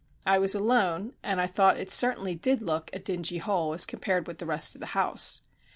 I was alone, and I thought it certainly did look a dingy hole as compared with the rest of the house.